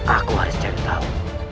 aku harus cari tahu